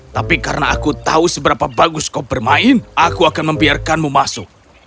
tapi karena aku tahu seberapa bagus kau bermain aku akan membiarkanmu masuk